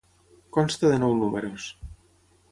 Consta de nou números.